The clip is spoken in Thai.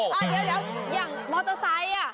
เดี๋ยวอย่างมอเตอร์ไซค์